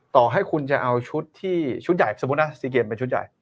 ต่อให้คุณจะเอาชุดที่ชุดใหญ่สมมุตินะ๔เกมเป็นชุดใหญ่